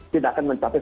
tidak akan mencapai